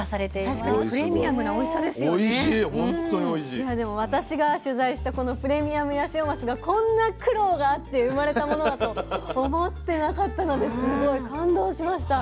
いやでも私が取材したこのプレミアムヤシオマスがこんな苦労があって生まれたものだと思ってなかったのですごい感動しました。